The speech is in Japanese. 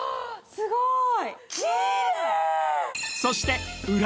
すごい。